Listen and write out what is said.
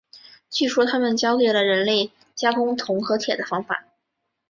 据说他们教给了人类加工铜和铁的方法。